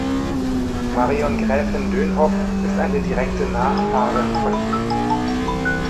Marion Gräfin Dönhoff ist eine direkte Nachfahrin von ihm.